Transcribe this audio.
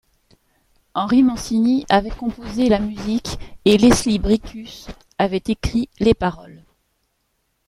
Henry Mancini avait composé la musique et Leslie Bricusse avait écrit les paroles.